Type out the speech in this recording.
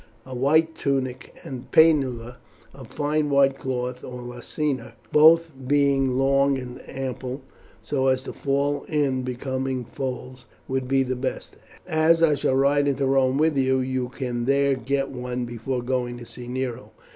A white tunic and a paenula of fine white cloth or a lacerna, both being long and ample so as to fall in becoming folds, would be the best. As I shall ride into Rome with you, you can there get one before going to see Nero."